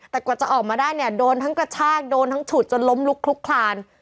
แต่กว่าจะออกมาได้เนี่ยโดนทั้งกระชากโดนทั้งฉุดจนล้มลุกลุกคลาน